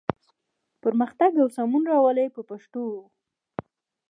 پرمختګ او سمون راولي په پښتو ژبه.